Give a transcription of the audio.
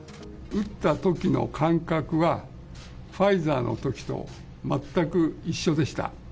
打ったときの感覚は、ファイザーのときと全く一緒でした。